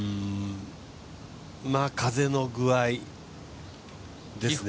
風の具合ですね。